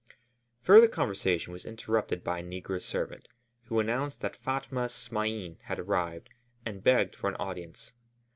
Further conversation was interrupted by a negro servant, who announced that Fatma Smain had arrived and begged for an audience.